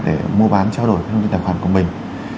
để mua bán trao đổi thông tin tài khoản của mình